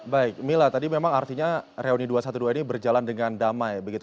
baik mila tadi memang artinya reuni dua ratus dua belas ini berjalan dengan damai begitu